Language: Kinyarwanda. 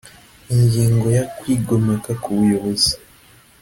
Ingingo ya Kwigomeka ku buyobozi